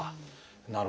なるほど。